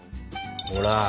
ほら。